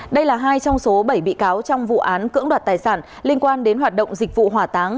đây là hai trong số bảy bị cáo trong vụ án cưỡng đoạt tài sản liên quan đến hoạt động dịch vụ hỏa táng